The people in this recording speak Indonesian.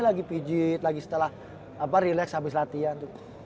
lagi pijit lagi setelah relax habis latihan